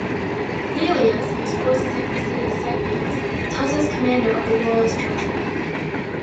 Lelius, whose forces have preceded Scipio's, tells his commander of the royals' treachery.